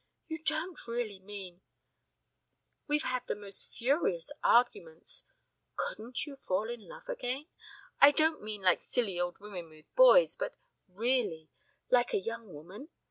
"You don't really mean we've had the most furious arguments couldn't you fall in love again? I don't mean like silly old women with boys, but really like a young woman?